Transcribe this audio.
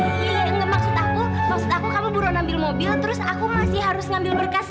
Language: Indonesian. maksud aku maksud aku kamu baru ngambil mobil terus aku masih harus ngambil berkas